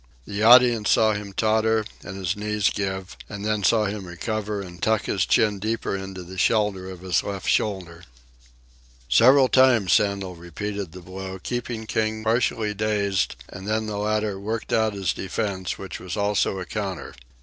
The audience saw him totter and his knees give, and then saw him recover and tuck his chin deeper into the shelter of his left shoulder. Several times Sandel repeated the blow, keeping King partially dazed, and then the latter worked out his defence, which was also a counter.